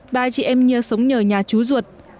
ba chị em nhia sống nhờ nhà chú ruột